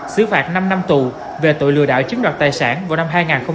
xứ phạt năm năm tù về tội lừa đảo chiếm đoạt tài sản vào năm hai nghìn một mươi